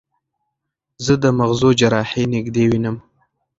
زه د مغزو جراحي نږدې وینم.